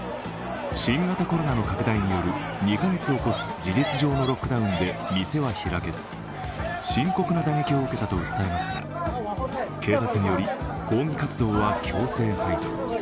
新型コロナの拡大による２カ月を超す事実上のロックダウンで深刻な打撃を受けたと訴えますが、警察により抗議活動は強制排除。